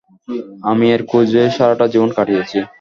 আমি এর খোঁজে সারাটা জীবন কাটিয়েছি।